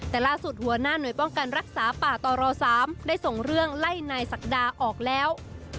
แต่ล่าสุดหัวหน้าหน่วยป้องกันรักษาป่าตร๓ได้ส่งเรื่องไล่นายศักดาออกแล้ว